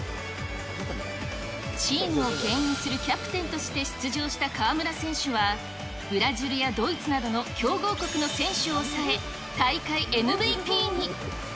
チームをけん引するキャプテンとして出場した川村選手は、ブラジルやドイツなどの強豪国の選手を抑え、大会ＭＶＰに。